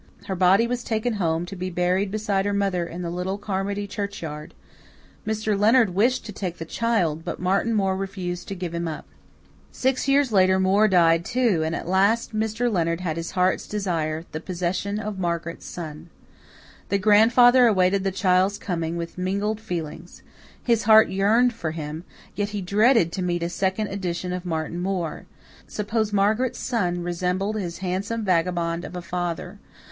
Her body was taken home to be buried beside her mother in the little Carmody churchyard. Mr. Leonard wished to take the child, but Martin Moore refused to give him up. Six years later Moore, too, died, and at last Mr. Leonard had his heart's desire the possession of Margaret's son. The grandfather awaited the child's coming with mingled feelings. His heart yearned for him, yet he dreaded to meet a second edition of Martin Moore. Suppose Margaret's son resembled his handsome vagabond of a father!